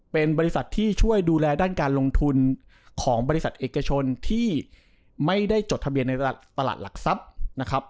เป็นบริษัทที่ช่วยดูแลด้านการลงทุนของบริษัทเอกชนที่ไม่ได้จดทะเบียนในตลาดหลักทรัพย์นะครับ